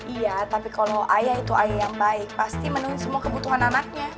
iya tapi kalau ayah itu ayah yang baik pasti menunggu semua kebutuhan anaknya